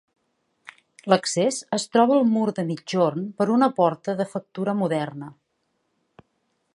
L'accés es troba al mur de migjorn per una porta de factura moderna.